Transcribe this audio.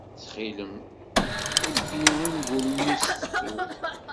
Ttxil-m, bbi angul-nni s tefrut.